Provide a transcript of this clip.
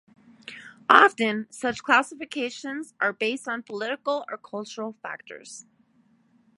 Often such classifications are based on political or cultural factors.